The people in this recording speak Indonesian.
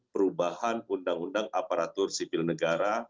perubahan undang undang aparatur sipil negara